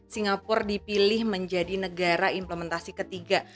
singapura dipilih menjadi negara implementasi ketiga